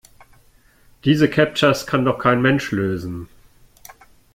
Diese Captchas kann doch kein Mensch lösen!